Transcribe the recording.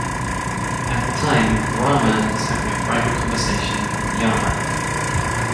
At the time, Rama was having a private conversation with Yama.